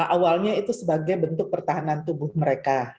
awalnya itu sebagai bentuk pertahanan tubuh mereka